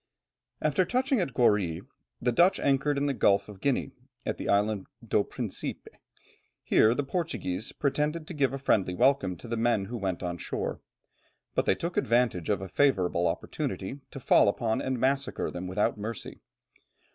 After touching at Goree, the Dutch anchored in the Gulf of Guinea, at the Island do Principe. Here the Portuguese pretended to give a friendly welcome to the men who went on shore, but they took advantage of a favourable opportunity, to fall upon and massacre them without mercy.